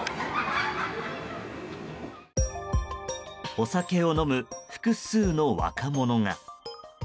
お酒を飲む複数の若者が。